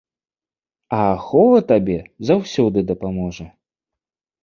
А ахова табе заўсёды дапаможа.